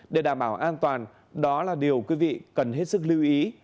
để đảm bảo an toàn đó là điều quý vị cần hết sức lưu ý